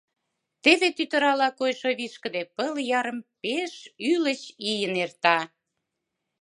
Теве тӱтырала койшо вишкыде пыл ярым пеш ӱлыч ийын эрта.